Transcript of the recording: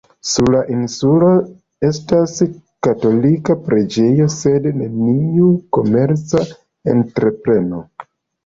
Sur la insulo estas katolika preĝejo sed neniu komerca entrepreno.